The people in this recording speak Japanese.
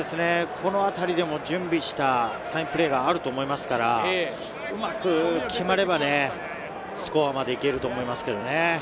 このあたりでも準備したサインプレーがあると思いますから、うまく決まればスコアまで行けると思いますけどね。